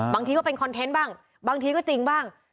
บางทีก็เป็นคอนเทนต์บ้างบางทีก็จริงบ้าง